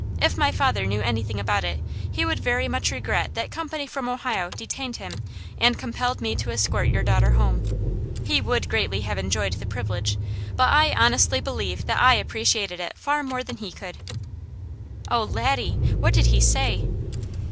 If my father knew anything about it, he would very much regret that company from Ohio detained him and compelled me to escort your daughter home. He would greatly have enjoyed the privilege, but I honestly believe that I appreciated it far more than he could.'" "Oh Laddie, what did he say?"